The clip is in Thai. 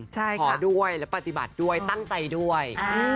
ขอด้วยและปฏิบัติด้วยตั้งใจด้วย